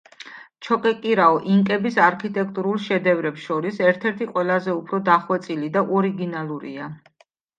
ჩოკეკირაო, ინკების არქიტექტურულ შედევრებს შორის ერთ-ერთი ყველაზე უფრო დახვეწილი და ორიგინალურია.